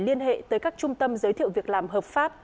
liên hệ tới các trung tâm giới thiệu việc làm hợp pháp